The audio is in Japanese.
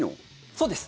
そうです。